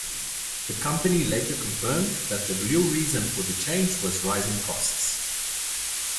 The company later confirmed that the real reason for the change was rising costs.